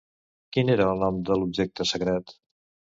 Quin era el nom de l'objecte sagrat?